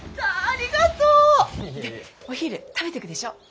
ありがとう！お昼食べてくでしょ？